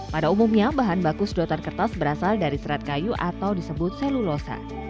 pada umumnya bahan baku sedotan kertas berasal dari serat kayu atau disebut selulosa